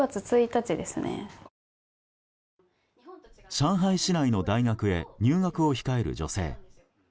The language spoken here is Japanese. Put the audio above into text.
上海市内の大学へ入学を控える女性。